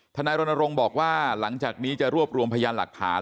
นายรณรงค์บอกว่าหลังจากนี้จะรวบรวมพยานหลักฐาน